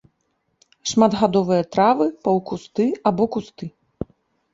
Шматгадовыя травы, паўкусты або кусты.